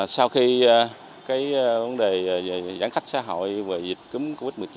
sau khi cái vấn đề về giãn cách xã hội về dịch cúng covid một mươi chín